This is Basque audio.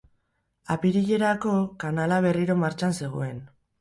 Apirilerako, kanala berriro martxan zegoen.